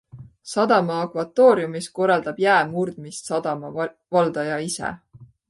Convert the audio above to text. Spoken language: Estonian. Sadama akvatooriumis korraldab jää murdmist sadama valdaja ise.